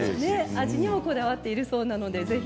味にもこだわっているそうです。